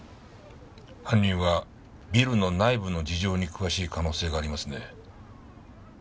犯人はビルの内部の事情に詳しい可能性がありますね。